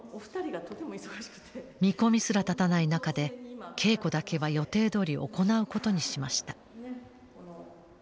見込みすら立たない中で稽古だけは予定どおり行うことにしました。